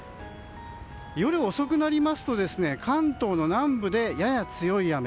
夜遅くなりますと関東の南部でやや強い雨。